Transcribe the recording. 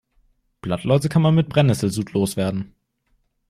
Blattläuse kann man mit Brennesselsud loswerden.